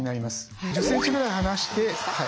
１０センチぐらい離して。